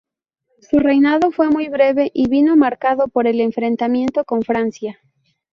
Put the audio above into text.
Su reinado fue muy breve y vino marcado por el enfrentamiento con Francia.